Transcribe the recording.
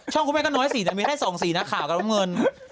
ช่องคุณแม่ก็น้อยสี่แต่มีให้สองสี่นักข่าวกับเงิน